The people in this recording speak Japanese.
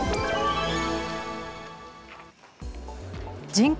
人口